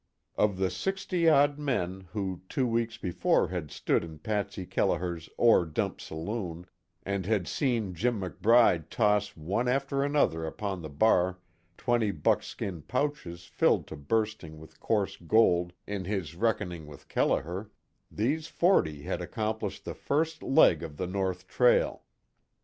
Of the sixty odd men who, two weeks before had stood in Patsy Kelliher's "Ore Dump Saloon" and had seen Jim McBride toss one after another upon the bar twenty buckskin pouches filled to bursting with coarse gold in his reckoning with Kelliher, these forty had accomplished the first leg of the long North trail.